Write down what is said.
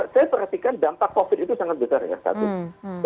saya perhatikan dampak covid itu sangat besar ya satu